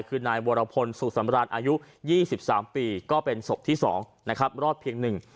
คือนายวรพลสุสำรรรค์อายุ๒๓ปีก็เป็นศพที่๒นะครับรอดเพียง๑